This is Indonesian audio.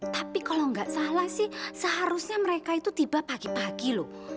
tapi kalau nggak salah sih seharusnya mereka itu tiba pagi pagi loh